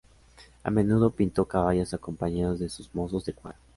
A menudo pintó caballos acompañados de sus mozos de cuadra.